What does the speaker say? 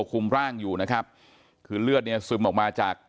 คุมร่างอยู่นะครับคือเลือดเนี่ยซึมออกมาจาก